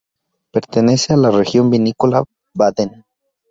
Pertenece a la región vinícola Baden.